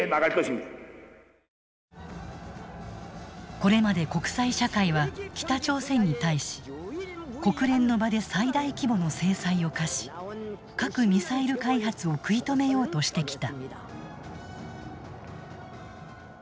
これまで国際社会は北朝鮮に対し国連の場で最大規模の制裁を科し核・ミサイル開発を食い止めようとしてきた。